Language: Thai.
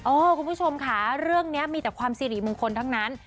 คุณผู้ชมค่ะเรื่องนี้มีแต่ความสิริมงคลทั้งนั้น